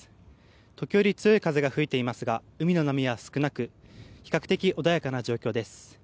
時折、強い風が吹いていますが海の波は少なく比較的穏やかな状況です。